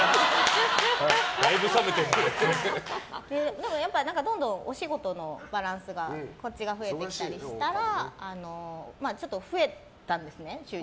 でも、どんどんお仕事のバランスがこっちが増えてきたりしたら収入が増えたんですね。